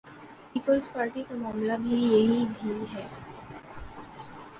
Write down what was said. Peoples Party کا معاملہ بھی یہی بھی ہے۔